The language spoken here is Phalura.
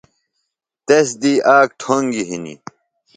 تس دی آک ٹھوۡنگیۡ ہِنیۡ۔